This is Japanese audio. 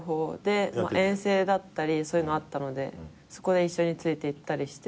遠征だったりそういうのあったのでそこで一緒についていったりしてて。